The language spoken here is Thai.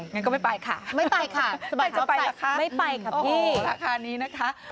อย่างนั้นก็ไม่ไปค่ะสบายครับใส่ค่ะไม่ไปค่ะพี่โอ้โหราคานี้นะคะ